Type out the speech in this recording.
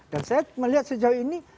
dan saya melihat sejauh ini